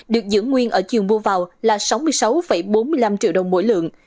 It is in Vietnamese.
được giữ nguyên ở chiều mua vào là sáu mươi sáu bốn mươi năm triệu đồng mỗi lượng